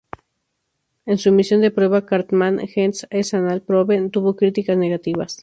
En su emisión de prueba, "Cartman Gets an Anal Probe" tuvo críticas negativas.